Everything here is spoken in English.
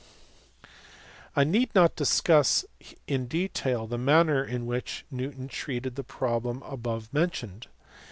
I need not discuss in detail the manner in which Newton treated the problems above mentioned.